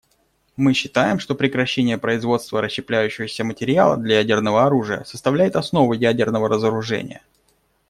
Мы считаем, что прекращение производства расщепляющегося материала для ядерного оружия составляет основу ядерного разоружения.